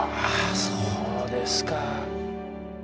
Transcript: あそうですか。